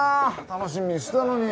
楽しみにしてたのに。